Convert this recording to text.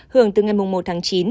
hưởng từ ngày một tháng chín